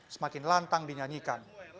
semakin lantang dinyanyikan